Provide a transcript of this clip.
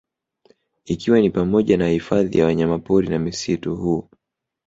Ikiwa ni pamoja na hifadhi ya wanyamapori na misitu huu